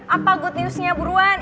apa good newsnya buruan